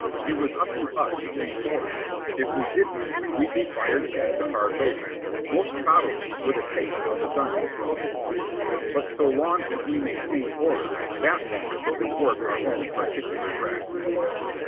It was up to us to keep order; if we didn't, we'd be fired back to hard labor, most probably with a taste of the dungeon thrown in. But so long as we maintained order, that long could we work our own particular grafts.